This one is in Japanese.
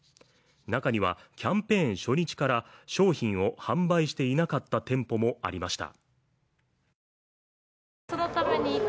中にはキャンペーン初日から商品を販売していなかった店舗もありました。